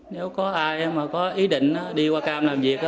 nếu có ai mà có ý định đi qua cam làm việc